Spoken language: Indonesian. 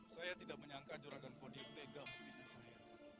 saya tidak menyangka juragan kode tidak memilih saya